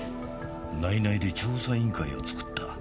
内々で調査委員会を作った。